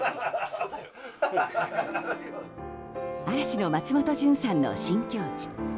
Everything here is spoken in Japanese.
嵐の松本潤さんの新境地。